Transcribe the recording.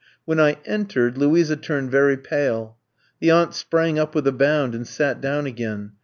When I entered, Luisa turned very pale. The aunt sprang up with a bound and sat down again.